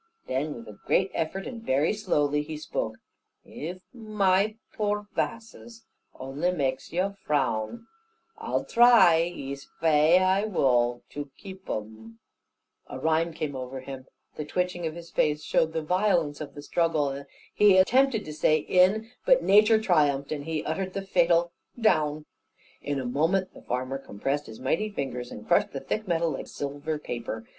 Then with a great effort, and very slowly, he spoke "If my poor vasses only maks you frown, I'll try, ees fai I wull, to keep 'em A rhyme came over him, the twitching of his face showed the violence of the struggle; he attempted to say "in," but nature triumphed, and he uttered the fatal "down." In a moment the farmer compressed his mighty fingers, and crushed the thick metal like silver paper.